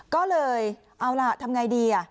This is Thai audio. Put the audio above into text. ก็เลยเอาล่ะทำอย่างไรดี